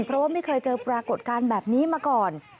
เพราะว่าไม่เคยเจอปรากฏการณ์แบบนี้มาก่อน